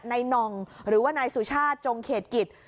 น่องหรือว่านายสุชาติจงเขตกิจ